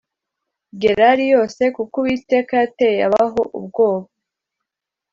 Gerari yose kuko uwiteka yateye abaho ubwoba